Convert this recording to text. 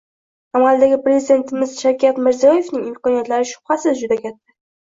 Amaldagi prezidentimiz Shavkat Mirziyoyevning imkoniyatlari shubhasiz juda katta